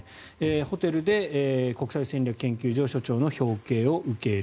ホテルで国際戦略研究所所長の表敬を受ける。